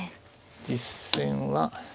実戦は。